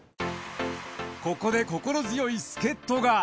ここで心強い助っ人が。